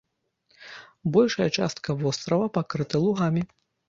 Большая частка вострава пакрыта лугамі.